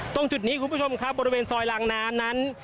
ตรงจุดนี้คุณผู้ชมครับบริเวณซอยลางน้ำนั้น